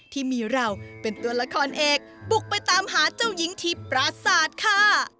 ที่มีเราเป็นตัวละครเอกบุกไปตามหาเจ้าหญิงที่ปราศาสตร์ค่ะ